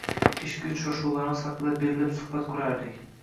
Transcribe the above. Ishqiy uchrashuvlarimiz haqida berilib suhbat qurardik.